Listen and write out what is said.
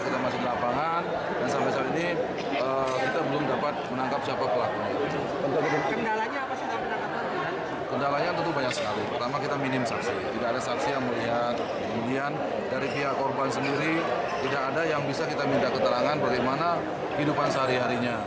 tidak ada yang bisa kita minta keterangan bagaimana kehidupan sehari harinya